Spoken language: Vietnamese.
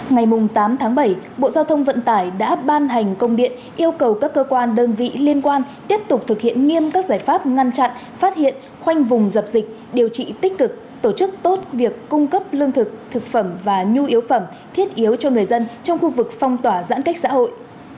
ngày tám tháng bảy bộ giao thông vận tải đã ban hành công điện yêu cầu các cơ quan đơn vị liên quan tiếp tục thực hiện nghiêm các giải pháp ngăn chặn phát hiện khoanh vùng dập dịch điều trị tích cực tổ chức tốt việc cung cấp lương thực thực phẩm và nhu yếu phẩm thiết yếu cho người dân trong khu vực phong tỏa giãn cách xã hội